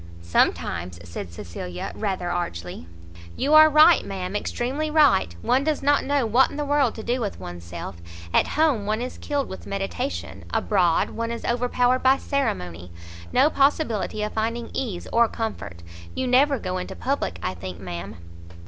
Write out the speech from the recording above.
"Sometimes!" said Cecilia, rather archly. "You are right, ma'am, extremely right; one does not know what in the world to do with one's self. At home, one is killed with meditation, abroad, one is overpowered by ceremony; no possibility of finding ease or comfort. You never go into public, I think, ma'am?"